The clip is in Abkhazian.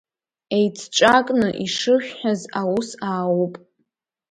Еицҿакны ишышәҳәаз аус аауп.